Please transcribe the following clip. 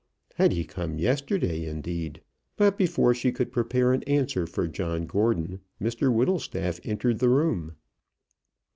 Had he come yesterday, indeed? But before she could prepare an answer for John Gordon, Mr Whittlestaff entered the room.